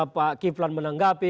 pak kiflan menanggapi